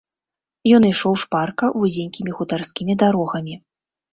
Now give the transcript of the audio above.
Ён ішоў шпарка вузенькімі хутарскімі дарогамі.